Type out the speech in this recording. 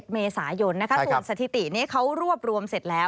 เมษายนส่วนสถิตินี้เขารวบรวมเสร็จแล้ว